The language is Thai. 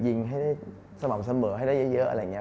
ยิงให้ได้สม่ำเสมอให้ได้เยอะอะไรอย่างนี้